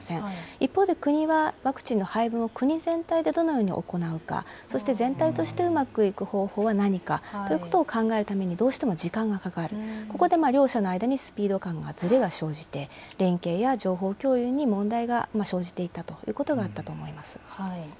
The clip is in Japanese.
一方で、国はワクチンの配分を国全体でどのように行うか、そして、全体としてうまくいく方法は何かということを考えるためにどうしても時間がかかる、ここで両者の間にスピード感のずれが生じて、連携や情報共有に問題が生じていたということがあったと思います。